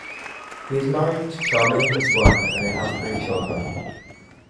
He is married to Charmaine Zwane and they have three children.